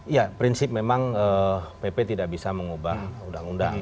ya prinsip memang pp tidak bisa mengubah undang undang